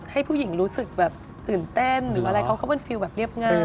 ให้ผู้หญิงรู้สึกแบบตื่นเต้นหรืออะไรเขาก็เป็นฟิลแบบเรียบง่าย